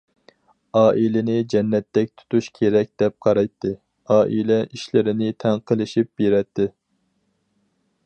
ئائىلىنى جەننەتتەك تۇتۇش كېرەك دەپ قارايتتى، ئائىلە ئىشلىرىنى تەڭ قىلىشىپ بېرەتتى.